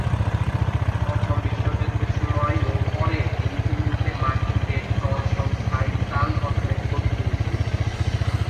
প্রথম বিশ্বযুদ্ধের সময়ে ও পরে তিনি ইউরোপে মার্কিন রেড ক্রস সংস্থায় ত্রাণ প্রদানের ছবি তুলেছিলেন।